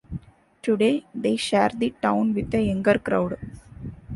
Today, they share the town with a younger crowd.